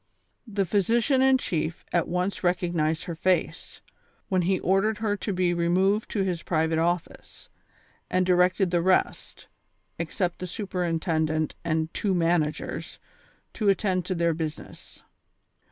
Tlie physician in chief at once recognized her face, when he ordered her to be removed to his private office, and di rected tlie rest, except the superintendent and two man agers, to attend to their business.